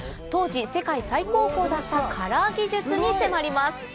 当時世界最高峰だったカラー技術に迫ります。